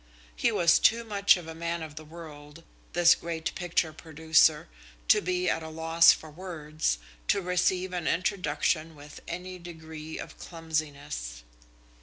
He was too much a man of the world, this great picture producer, to be at a loss for words, to receive an introduction with any degree of clumsiness.